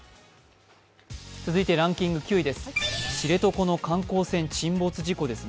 続いてランキング９位です。